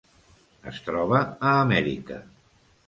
Es troba a Amèrica.